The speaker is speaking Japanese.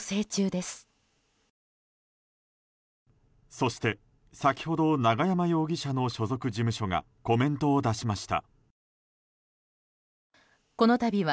そして、先ほど永山容疑者の所属事務所がコメントを出しました。